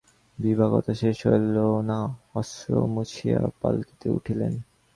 বিভা– কথা শেষ হইল না, অশ্রু মুছিয়া পালকিতে উঠিলেন।